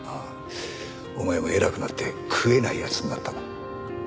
お前も偉くなって食えない奴になったな。